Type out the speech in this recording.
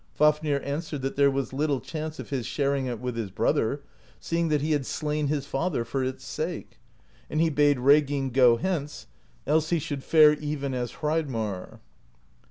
Fafnir an swered that there was little chance of his sharing it with his brother, seeing that he had slain his father for its sake; and he bade Reginn go hence, else he should fare even as Hreidmarr.